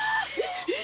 えっ！